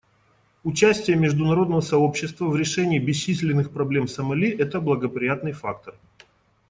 Участие международного сообщества в решении бесчисленных проблем Сомали — это благоприятный фактор.